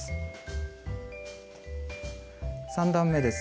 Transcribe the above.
３段めです。